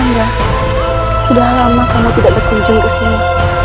kanda sudah lama kamu tidak berkunjung ke sini